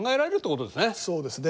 そうですね。